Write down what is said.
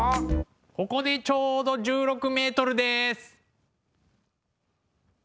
ここでちょうど１６ｍです。